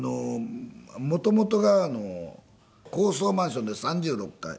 元々が高層マンションで３６階。